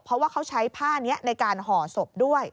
เพราะว่าเขาใช้ผ้านี้ในการห่อศพด้วย